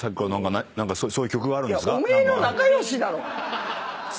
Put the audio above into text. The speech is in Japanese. お前の仲良しだろ！